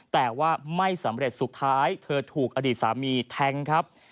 แต่ว่าไม่สำเร็จสุดท้ายเธอถูกอดีตสามีแทงครับ